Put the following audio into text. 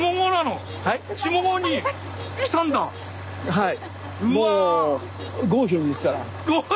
はい。